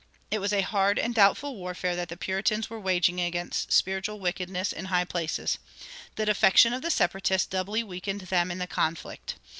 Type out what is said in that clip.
It was a hard and doubtful warfare that the Puritans were waging against spiritual wickedness in high places; the defection of the Separatists doubly weakened them in the conflict.